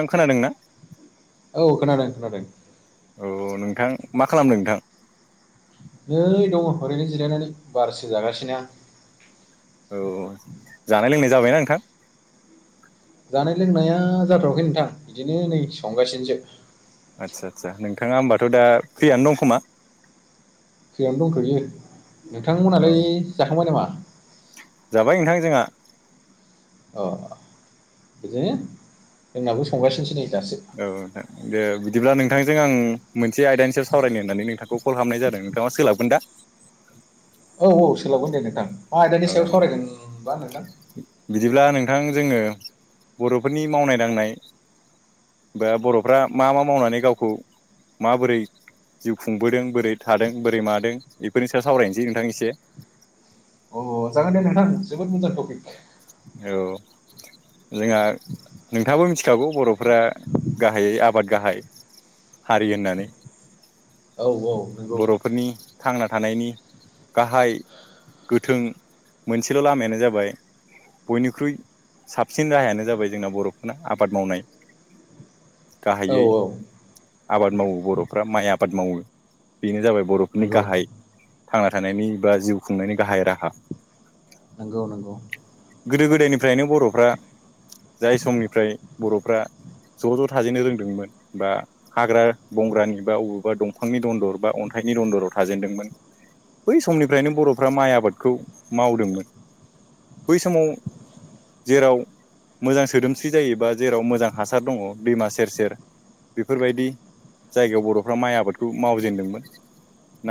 आं खोनादों ना? औ खोनादों खोनादों औ नोंथां मा खालामदों नोंथां? नै दङ ओरैनो जिरायनानै बारसो जागासिनों औ जानाय लोंनाय जाबायना नोंथां? जानाय लोंनाया जाथ'वाखै नोंथां बिदिनो नै संगासिनोसो। आदसा आदसा नोंथाङा होनोमबाथ' दा फ्रियनो दंखोमा खानो दंथ'यो औ नोंथांमोनहालाय जाखांबाय नामा? जाबाय नोंथां जोंहा अ बिदिनो जोंनाबो संगासिनोसै नै दासो। औ दा दे बिदिब्ला नोंथांजों आं मोनसे आयदानि सायाव सावरायनो होननानै नोंथांखौ कल खालामनाय जादों नोंथाङा सोलाबगोन दा? औ औ सलाबगोन दे नोंथां मा आयदानि औ सायाव सावरायगोनबा नोंथां? बिदिब्ला नोंथां जोङो बर'फोरनि मावनाय दांनाय बर'फ्रा मा मा मावनानै गावखौ माबोरै जिउ खुंबोदों बोरै थादों बोरै मादों बेफोरनि स सावरायनोसै नोंथां एसे। अ जागोन दे नोंथां जोबोद मोजां टपिक। औ जोंहा नोंथाङाबो मिथिखागौ बर'फ गाहायै आबाद गाहाय। हारि होननानै औ औ नंगौ बर'फोरनि थांना थानायनि गाहाय गोथों मोनसेल' लामायानो जाबाय बयनिख्रुइ साबसिन राहायानो जाबाय जोंना बर'फोरना आबाद मावनाय। औ गाहायै औ आबाद मावो बर'फ्रा माइ आबाद मावो बेनो जाबाय बर'फोरनि नंगौ गाहाय थांना थानायनि बा जिउ खुंनायनि गाहाय राहा। औ नंगौ गोदो गोदायनिफ्रायनो बर'फ्रा जाय समनिफ्राय बर'फ्रा ज' ज' थाजेनो रोंदोंमोन बा हाग्रा बंग्रानि बा बबेबा दंफांनि दनदर बा अनथाइनि दनदराव थाजेनदोंमोन बै समनिफ्रायनो बर'फ्रा माइ आबादखौ मावदोंमोन। बै समाव जेराव मोजां सोदोमस्रि जायोबा जेराव मोजां हासार दङ दैमा सेर सेर बेफोरबायदि जायगायाव बर'फ्रा माइ आबादखौ मावजेनदोंमोन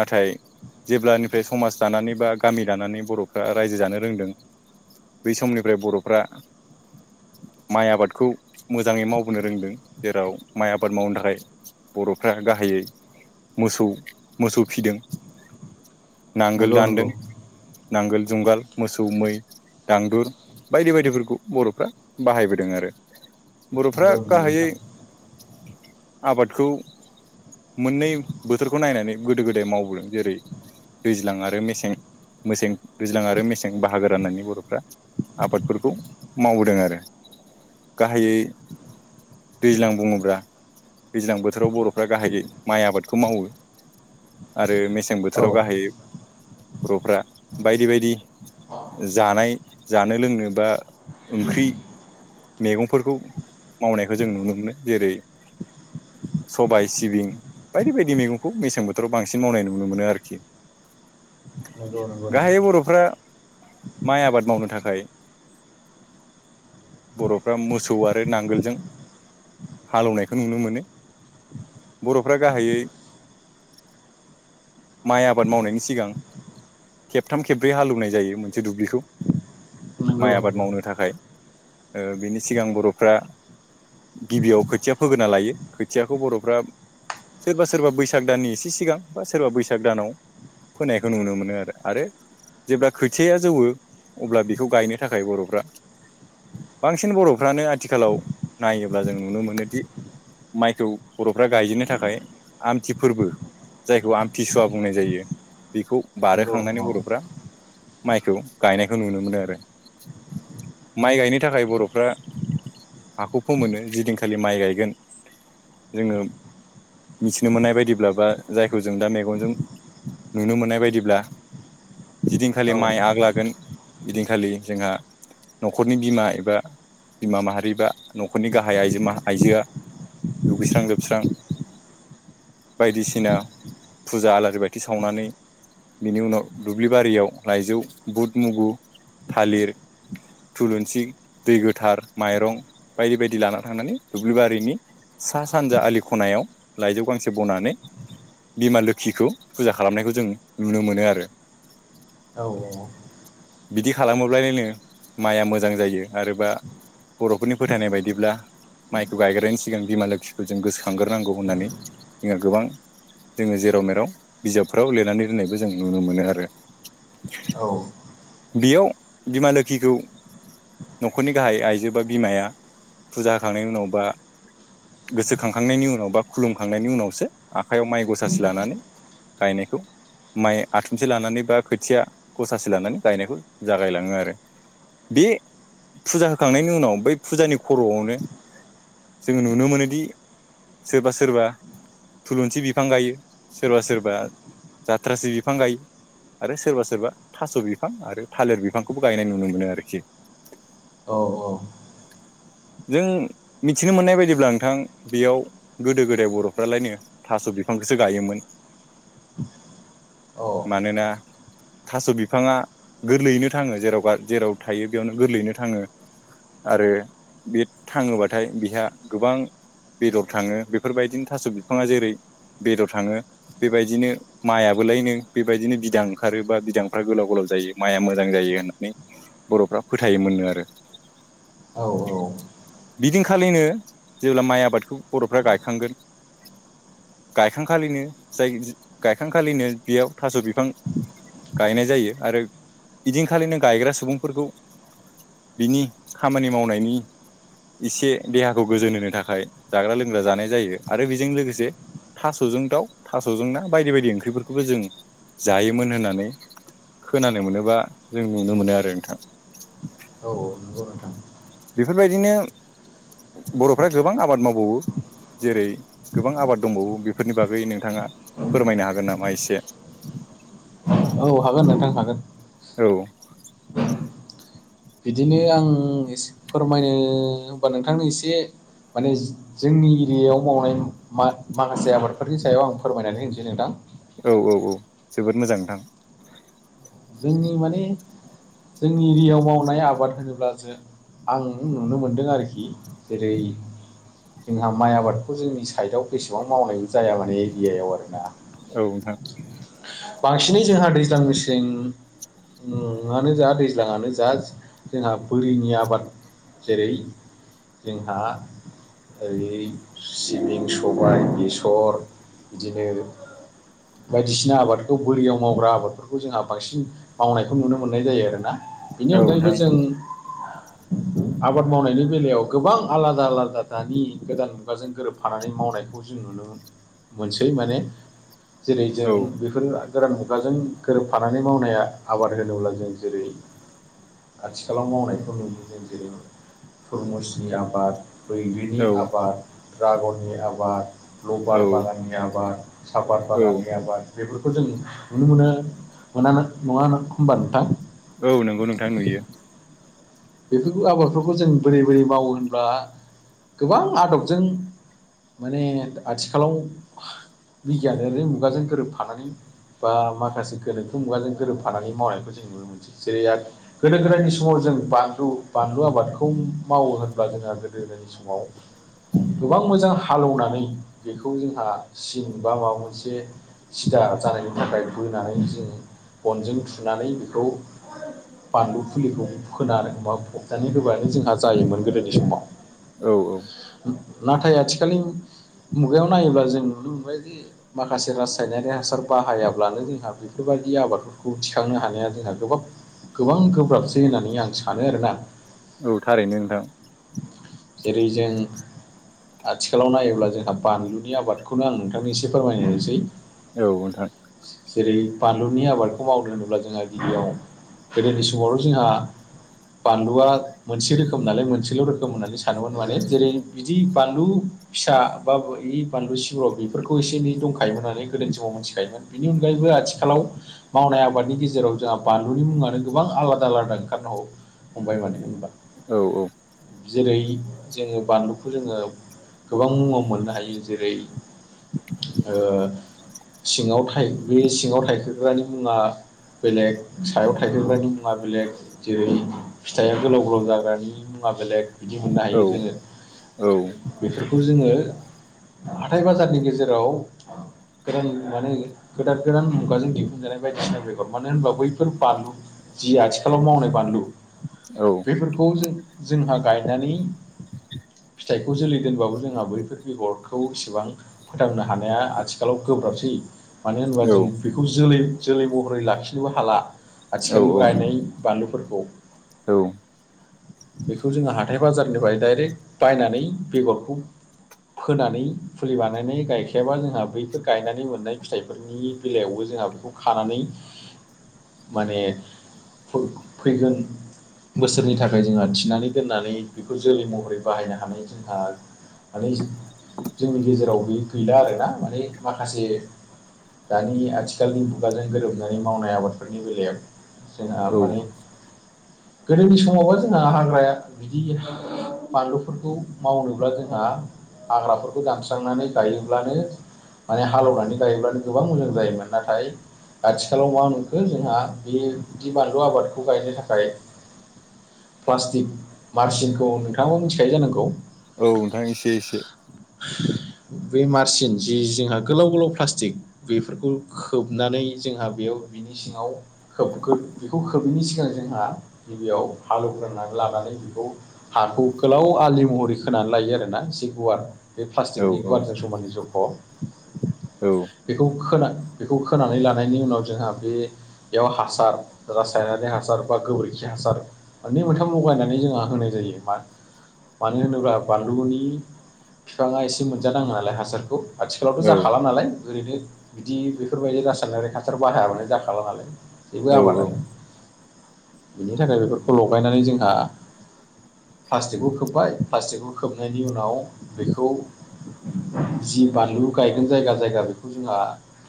नाथाय जेब्लानिफ्राय समाज दानानै बा गामि दानानै बर'फ्रा रायजो जानो रोंदों बै समनिफ्राय बर'फ्रा माइ आबादखौ मोजाङै मावबोनो रोंदों जेराव माइ आबाद मावनो थाखाय बर'फ्रा गाहायै मोसौ मोसौ फिदों नांगोल नंगौ दानदों नंगौ नांगोल जुंगाल मोसौ मै दांदुर बायदि बायदिफोरखौ बर'फ्रा बाहायबोदों आरो। बर'फ्रा नंगौ नंगौ गाहायै नोंथां आबादखौ मोननै बोथोरखौ नायनानै गोदो गोदाय मावबोदों जेरै दैज्लां आरो मेसें मसे दैज्लां आरो मेसें बाहागो राननानै बर' आबादफोरखौ मावबोदों आरो गाहायै दैज्लां बुङोब्ला दैज्लां बोथोराव बर'फ्रा गाहायै माइ आबादखौ मावो। आरो मेसें मेसें औ बोथोराव गाहायै बर'फ्रा बायदि बायदि जानाय जानो लोंनो बा ओंख्रि मैगंफोरखौ मावनायखौ जों नुनो मोनो जेरै सबाइ सिबिं बायदि बायदि मैगंखौ मेसें बोथोराव बांसिन मावनाय नुनो मोनो आरोखि। नंगौ नंगौ नोंथां गाहायै बर'फ्रा माइ आबाद मावनो थाखाय बर'फ्रा मोसौ आरो नांगोलजों हालेवनायखौ नुनो मोनो बर'फ्रा गाहायै माइ आबाद मावनायनि सिगां खेबथाम खेब्रै हालवनायायो मोनसे दुब्लिखौ। नंगौ माइ आबाद नंगौ मावनो थाखाय ओ बिनि सिगां बर'फ्रा गिबियाव खोथिया फोग्रोना लायो खोथियाखौ बर'फ्रा सोरबा सोरबा बैसाग दाननि एसे सिगां बा सोरबा बैसाग दानाव फोनायखौ नुनो मोनो आरो आरो जेब्ला खोथियाया जौवो अब्ला बेखौ गायनो थाखाय बर'फ्रा बांसिन बर'फ्रानो आथिखालाव नायोब्ला जों नुनो मोनोदि माइखौ बर'फ्रा गायजेननो थाखाय आमथि फोरबो जायखौ आमथिसुवा बुंनाय जायो बिखौ नंगौ बारहोखांनानै बर'फ्रा माइखौ गायनायखौ नुनो मोनो आरो। माइ गायनो थाखाय बर'फ्रा हाखौ फोमोनो जिदिनखालि माइ गायगोन जोङो मिथिनो मोननाय बायदिब्लाबा जायखौ जों दा मेगनजों नुनो मोननाय बायदिब्ला जिदिनखालि औ माइ आग लागोन इदिनखालि जोंहा न'खरनि बिमा एबा बिमा माहारि बा न'खरनि गाहाय आइजो मा आइजोआ दुगैस्रां लोबस्रां बायदिसिना फुजा आलारि बाथि सावनानै बिनि उनाव दुब्लिबारियाव लाइजौ बुद मुगु थालिर थुलुंसि दै गोथार माइरं बायदि बायदि लाना थांनानै दुब्लि बारिनि सा सानजा आलि ख'नायाव लाइजौ गांसे बनानै बिमा लोखिखौ फुजा खालामनायखौ जों नुनो मोनो आरो। औ औ औ। बिदि खालामोब्लायलायनो माइआ मोजां जायो आरोबा बर'फोरनि फोथायनाय बायदिब्ला माइखौ गायग्रायनि सिगां बिमा लोखिखौ जों गोसोखांग्रोनांगौ होननानै जोंङो गोबां जोंङो जेराव मेराव बिजाबफ्राव लिरनानै दोननायबो जों नुनो मोनो आरो। औ बियाव बिमा लोखिखौ न'खरनि गाहाय आइजो बा बिमाया फुजा होखांनायनि उनाव बा गोसोखांखांनायनि उनाव बा खुलुमखांनायनि उनावसो आखाइयाव माइ ग'सासे लानानै गायनायखौ माइ आथुमसे लानानै बा खोथिया ग'सासे लानानै गायनायखौ जागायलाङो आरो। बे फुजा होखांनायनि उनाव बै फुजानि खर'आवनो जोङो नुनो मोनोदि सोरबा सोरबा थुलुंसि बिफां गायो सोरबा सोरबा जाथ्रासि बिफां गायो। आरो सोरबा सोरबा थास' बिफां आरो थालिर बिफांखौबो गायनाय नुनो मोनो आरोखि। अ अ जों मिथिनो मोननाय बायदिब्ला नोंथां बेयाव गोदो गोदाय बर'फ्रालायनो थास' बिफांखौसो गायोमोन। [inaudible] मानोना थास' बिफाङा गोरलैयैनो थांङो जेराव गा जेराव थायो बेयावनो गोरलैयैनो थांङो। आरो बे थांङोबाथाय बिहा गोबां बेदर थांङो बेफोरबायदिनो थास' बिफांङा जेरै बेदर थांङो बेबायदिनो मायाबोलायनो बेबायदिनो बिदां ओंखारो बा बिदांफ्रा गोलाव गोलाव जायो माइआ मोजां जायो होननानै बर'फ्रा फोथायोमोन नो आरो। औ औ। बिदिनखालिनो जेब्ला माइ आबादखौ बर'फ्रा गायखांगोन गायखांखालिनो जाय गायखांखालिनो बियाव थास' बिफां गायनाय जायो आरो इदिंखालिनो गायग्रा सुबुंफोरखौ बिनि खामानि मावनायनि इसे देहाखौ गोजोन होनो थाखाय जाग्रा लोंग्रा जानाय जायो आरो बिजों लोगोसे थास'जों दाउ थास'जों ना बायदि बायदि ओंख्रिफोरखौबो जों जायोमोन होननानै खोनानो मोनोबा जों नुनो मोनो आरो नोंथां। औ औ नोंगौ नोंथा। बेफोरबायदिनो बर'फ्रा गोबां आबाद मावबावो जेरै गोबां आबाद दंबावो बेफोरनि बागै नोंथांङा फोरमायनो हागोन नामा एसे? औ हागोन नोंथां हागोन। औ बिदिनो आं एसे फोरमायनो हबा नोंथांनो एसे माने जोंनि एरियायाव मावनाय माखासे आबादफोरनि सायाव आं फोरमायनानै होनोसै नोंथां। औ औ औ जोबोद मोजां नोंथां जोंनि माने जोंनि एरियायाव मावनाय आबाद होनोब्लासो आं नुनो मोनदों आरोखि जेरै जोंहा माइ आबादखौ जोंनि साइडआव बेसेबां मावनायबो जाया माने एरियायाव आरोना औ नोंथां बांसिनै जोंहा दैज्लां मेसें मुंङानो जा दैज्लाांनो जा जोंहा बोरिनि आबाद जेरै जोंहा ओरै सिबिं सबाय बेसर बिदिनो बायदिसिना आबादखौ बोरियाव मावग्रा आबादफोरखौ जोंहा बांसिन मावनायखौ नुनो मोननाय जायो आरोना बिनि औ अनगायैबो नोंथां जों आबाद मावनायनि बेलायाव गोबां आलादा आलादा दानि गोदान मुगाजों गोरोबफानानै मावनायखौ जों नुनो मोन मोनसै माने जेरै जों औ बेफोर गोरान मुगाजों गोरोबफानानै मावनाया आबाद होनोब्ला जों जेरै आथिखालाव मावनायखौ नुदों जेरै तुरमुसनि आबाद बैग्रिनि औ आबाद दड्रागननि आबाद औ लबार बागाननि आबाद सापाद औ बागाननि आबाद बेफोरखौ जों नुनो मोनो मोनामोन। नंङा नाखबा नोंथां? औ नंगौ नोंथां नुयो। बेफोरखौ आबादफोरखौ जों बोरै बोरै मावो होनब्ला गोबां आदबजों माने आथिखालाव बिगियानारि मुगाजों गोरोबफानानै बा माखासे गोनोथो मुगाजों गोरोबफानानै मावनायखौ जों नुनो जेरै गोदो गोदायनि समाव जों बां औ बानलु आबादखौ मावो होनब्ला जोंहा गोदो गोदायनि समाव गोबां मोजां हालेवनानै बेखौ जोंहा सिन बा माबा मोनसे सिदा जानायनि थाखाय बोनानै जों बनजों थुनानै बेखौ बानलु फुलिखौ फोनानै बोमा फबनानै होबानो जोंहा जायोमोन गोदोनि समाव औ औ नाथाय आथिखाल मुगायाव नायोब्ला जों नुनो मोनबायदि माखासे रासायनारि हासार बाहायाब्लानो जोंहा बेफोरबायदि आबादफोरखौ थिखांनो हानाया जोंहा गोब गोबां गोब्राबसै होननानै आं सानो। आनो होन ना औ थारैनो नोंथां जेरै जों आथिखालाव नायोब्ला जोंहा बानलुनि आबादखौनो आं नोंथांनि एसे फोरमायनोसै। औ नोंथां जेरै बानलुनि आबादखौ मावनोलङोब्ला जोंहा गिबियाव गोदोनि समावल' जोंहा बानलुआ मोनसे रोखोम नालाय मोनसेल' रोखोम होननानै सानोमोन माने जेरै बिदि बानलु फिसा बा बे बानलु सिब' बेफोरखौ एसे एनै दंखायोमोन होननानै गोदो समाव मिथिखायोमोन। बेनि अनगायैबो आथिखालाव मावनाय आबादनि गेजेराव जोंहा बानलुनि मुङानो गोबां आलादा आलादा ओंखारनो हागौ। फमबाय मान होनबा औ औ जेरै जोङो बानलुखौ जोङो गोबां मुङाव मोननो हायो। जेरै सिङाव थ बे सिङाव थाइखोग्रानि मुङा बेलेग सायाव थाइजोबगानि मुङा बेलेग जेरै फिथाइया गोलाव गोलाव जाग्रानि मुवा बेलेग बिदि मोननो हायो औ जोङो औ औ बेफोरखौ जोङो हाथथाय बाजारनि गेजेराव [unintelligible] गोदान गोदान मुगाजों दिहुनजानाय बायदिसिना बेगर मानो होनबा बैफोर बानलु जि आथिखालाव मावनाय बानलु औ बेफोरखौ जों जोंहा गायनानै फिथाइखौ जोलै दोनबाबो जोंहा बैफोर बेगरखौ इसेबां फोथांनो हानाया आथिखालाव गोब्राबसै मानो होनोबा जों बेखौ जोलै जोलै महरै लाखिनोबो हाला औ आथिखालनिबो गायनाय बानलुफोरखौ औ बेखौ जोङो हाथाय बाजारनिफ्राय डाइरेक्ट बायनानै बेगरखौ फोनानै फुलि बानायनाय गायखायाबा जोंहा बैफोर गायनानै मोननाय फिथाइफोरनि बेलायावबो जोंहा बेखौ खानानै [inaudible] माने फैगोन बोसोरनि थाखाय जोंहा थिनानै दोननानै बेखौ जोलै महरै बाहायनो हानाय जोंहा माने जोंनि गेजेरावबो गैला आरोना माने माखासे दानि आथिखालनि मुगाजों गोरोबनानै मावनाय आबादफोरनि बेलायाव जोंहा औ माने गोदोनि समावबा जोंना हाग्राया बिदि बानलुफोरखौ मावनोब्ला जोंहा हाग्राफोरखौ दानस्रांनानै गायोब्लानो माने हालेवनानै गायोब्लानो गोबां मोजां जायोमोन नाथाय आथिखालाव मा मोनखो जोंहा बिदि बानलु आबादखौ गायनो थाखाय प्लास्टिक मारसिनखौ नोंथाङाबो मिथिखायो जानांगौ? औ नोंथां एसे एसे बे मारसिन जि जोंहा गोलाव गोलाव प्लास्टिक बेफोरखौ खोबनानै जोंहा बेयाव बिनि सिङाव खोबगोर बेखौ खोबैनि सिगां जोंहा गिबियाव हालौवग्रोननानै लानानै बेखौ हाखौ गोलाव आलि महरै खोनानै लायो आरोना जि गुवार बे औ प्लास्टिकनि औ गुवारजों समानै जख' औ बेखौ खोना बेखौ खोनानै लानायनि उनाव जोंहा बे बेयाव हासार रासायनारि हासार बा गोबोरै जायखि हासार मोनै मोनथाम लगायनानै जोंहा होनाय जायो मा? मानो होनोब्ला बानलुनि बिफाङा एसे मोनजानाङ नालाय हासारखौ। आथिखालावथ' औ जाखा नालाय ओरैनो बिदि बेफोरबायदि रासायनारि हासार बाहायाबानो जाखाला नालाय जेबो औ आबादानो बिनि थाखाय बेफोरखौ लगायनानै जोंहा प्लास्टिकखौ खोब्बाय प्लास्टिकखौ खोबनायनि उनाव बेखौ जि बानलु गायगोन जायगा जायगा बेखौ जोंहा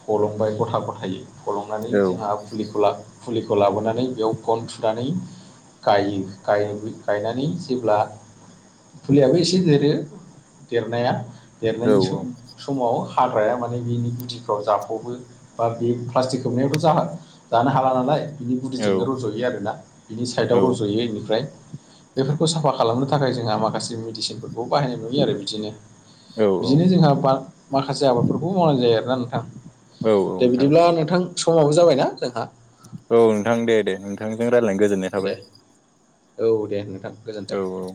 थलंबाय गथा गथायो। फलंनानै औ जोंहा फुलिखौ लाबोनानै बेयाव गन गुनानै गायो गायनानै जेब्ला फुलियाबो एसे देरो देरनाया देरनायनि सम समाव हाग्राया माने बिनि गुदिफ्राव जाफ'बो बा बे प्लास्टिक खोबनायावथ' जा जानो हाला नालाय। बिनि औ गुदिजोंनो रज'यो आरोना बिनि साइदआव रज'यो बेनिफ्राय बेफोरखौ साफा खालामनो थाखाय जोंहा माखासे मेडिसिनफोरखौ बाहायनाय नुयो आरो बिदिनो। बिदिनो जोंहा माखासे आबादफोरखौबो मावनाय जायो आरोना नोंथां। दे नोंथां बिदिब्ला नोंथां समावबो जाबायना जोंहा औ नोंथां दे दे नोंथांजों रायज्लायनो गोजोननाय दे थाबाय? औ दे नोंथां गोजोन्थों औ औ